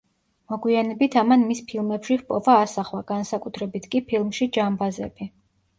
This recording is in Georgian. მოგვიანებით ამან მის ფილმებში ჰპოვა ასახვა, განსაკუთრებით კი ფილმში „ჯამბაზები“.